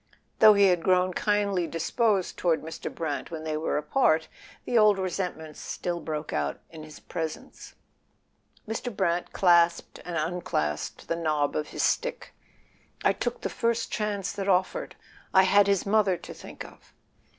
Though he had grown kindly disposed toward Mr. Brant when they were apart, the old resentments still broke out in his pres¬ ence. Mr. Brant clasped and unclasped the knob of his stick. "I took the first chance that offered; I had his mother to think of."